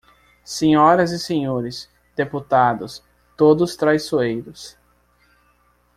Senhoras e Senhores Deputados, todos traiçoeiros.